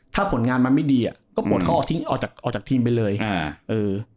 ถ้าผลงานมันไม่ดีอ่ะก็ปลดเค้าออกทิ้งออกจากทีมไปเลยอ่าเออ